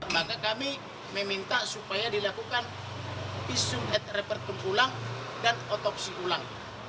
maka kami meminta supaya dilakukan isu atrepertum ulang dan otopsi ulang